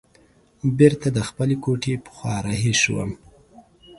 بیرته د خپلې کوټې په خوا رهي شوم.